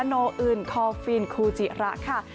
โนอื่นคอลฟีนคูจิระค่ะ